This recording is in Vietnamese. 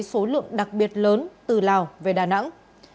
số lượng đặc biệt lớn từ lào về đà nẵng